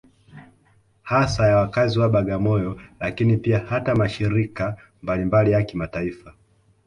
Hasa ya wakazi wa Bagamoyo Lakini pia hata mashirika mbalimbali ya kimataifa